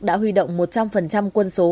đã huy động một trăm linh quân số